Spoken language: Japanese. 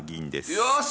よし！